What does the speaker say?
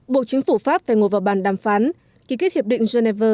bộ chính phủ pháp phải ngồi vào bàn đàm phán ký kết hiệp định geneva